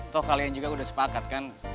toh kalian juga udah sepakat kan